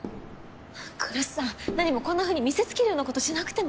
来栖さん何もこんなふうに見せつけるようなことしなくても。